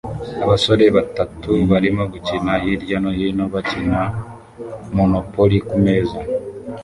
Abasore batatu barimo gukina hirya no hino bakina Monopoly kumeza